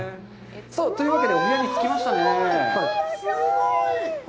さあ、というわけで、着きましたね。